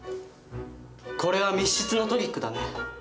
これは密室のトリックだね。